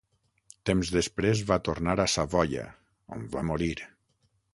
Temps després va tornar a Savoia, on va morir.